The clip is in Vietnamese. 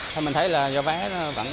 thế mình thấy là do vé nó vẫn